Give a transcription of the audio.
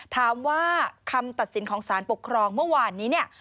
ถามว่าคำตัดสินของสารปกครองเมื่อวานนี้เนี่ย